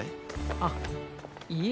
あっいえ。